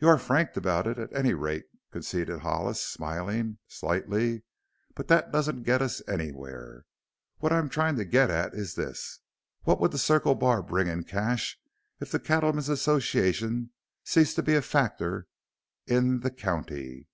"You are frank about it at any rate," conceded Hollis smiling slightly. "But that doesn't get us anywhere. What I am trying to get at is this: what would the Circle Bar bring in cash if the Cattlemen's Association ceased to be a factor in the county?"